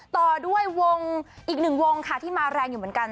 ต่อด้วยวงอีกหนึ่งวงค่ะที่มาแรงอยู่เหมือนกัน